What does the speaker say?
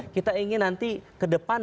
kita ingin nanti ke depan